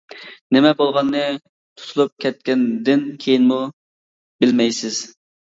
نېمە بولغاننى تۇتۇلۇپ كەتكەندىن كېيىنمۇ بىلمەيسىز.